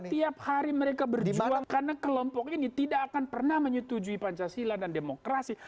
tiap hari mereka berjuang karena kelompok ini tidak akan pernah menyetujui pancasila dan demokrasi